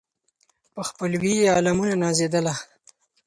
په خپلوي یې عالمونه نازېدله